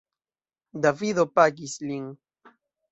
Davido pagis lin.